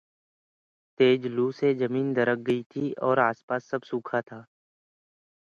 Examples of this sort are fairly numerous.